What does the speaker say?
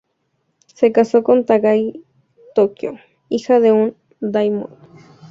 Se casó con Takagi Tokio, hija de un "daimyō".